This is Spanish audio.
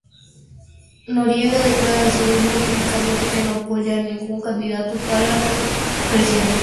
Noriega declara así mismo públicamente que no apoya a ningún candidato para presidente.